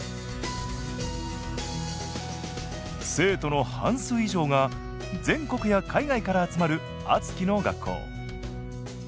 生徒の半数以上が全国や海外から集まるあつきの学校。